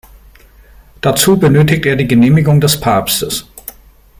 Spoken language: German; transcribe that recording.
Dazu benötigt er die Genehmigung des Papstes.